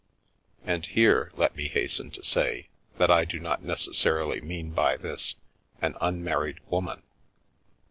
And here, let me hasten to say, that I do not necessarily mean by this, an unmarried woman.